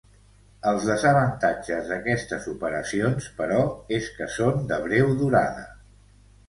Els desavantatges d'aquestes operacions, però, és que són de breu durada.